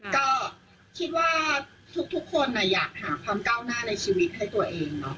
ก็คิดว่าทุกคนอยากหาความก้าวหน้าในชีวิตให้ตัวเอง